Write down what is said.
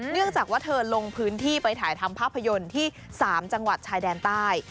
เนื่องจากว่าเธอลงพื้นที่ไปถ่ายทำภาพยนตร์ที่๓จังหวัดชายแดนใต้